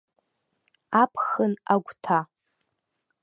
Аԥхын агәҭа.